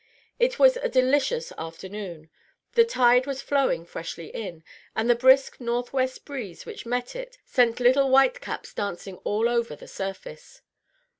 It was a delicious afternoon. The tide was flowing freshly in, and the brisk northwest breeze which met it sent little white caps dancing all over the surface.